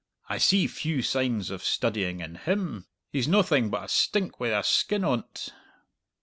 "I see few signs of studying in him. He's noathing but a stink wi' a skin on't."